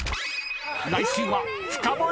［来週は］